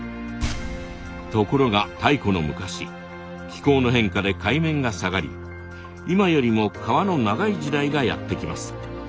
ところが太古の昔気候の変化で海面が下がり今よりも川の長い時代がやって来ます。